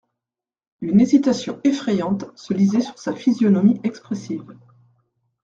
Une hésitation effrayante se lisait sur sa physionomie expressive.